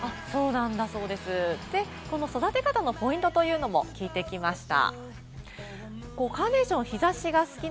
育て方のポイントというのも聞いてきました。